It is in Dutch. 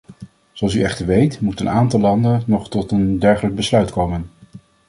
Zoals u echter weet, moet een aantal landen nog tot een dergelijk besluit komen.